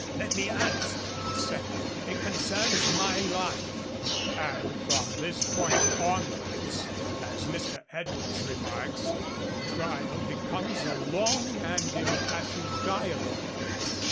'Let me answer,' he said; 'it concerns my life;' and from this point onwards, as Mr. Edwards remarks, the trial becomes a long and impassioned dialogue.